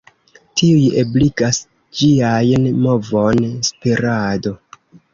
Tiuj ebligas ĝiajn movon, spirado.